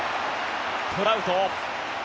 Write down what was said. トラウト。